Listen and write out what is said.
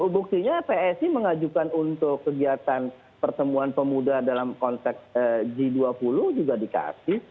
buktinya psi mengajukan untuk kegiatan pertemuan pemuda dalam konteks g dua puluh juga dikasih